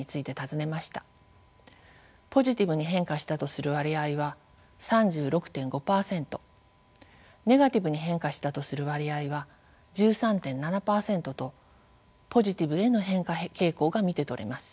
ポジティブに変化したとする割合は３６．５％ネガティブに変化したとする割合は１３．７％とポジティブへの変化傾向が見て取れます。